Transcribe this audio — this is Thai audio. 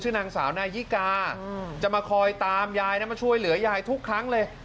นางสาวนายิกาจะมาคอยตามยายนะมาช่วยเหลือยายทุกครั้งเลย